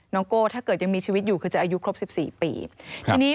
น้องโก้ถ้าเกิดยังมีชีวิตอยู่คือจะอายุครบ๑๔ปี